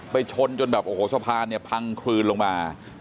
ไปชนจนสะพานพังคลืนลงมา